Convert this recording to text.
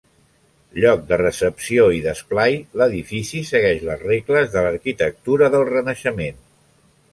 Lloc de recepció i d'esplai, l'edifici segueix les regles de l'arquitectura del Renaixement.